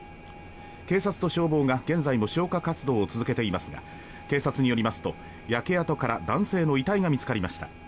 警察と消防が現在も消火活動を続けていますが警察によりますと焼け跡から男性の遺体が見つかりました。